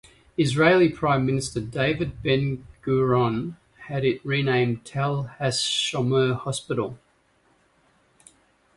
Israeli Prime Minister David Ben-Gurion had it renamed Tel HaShomer Hospital.